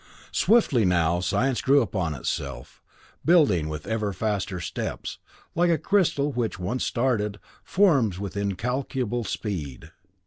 "Swiftly now, science grew upon itself, building with ever faster steps, like a crystal which, once started, forms with incalculable speed.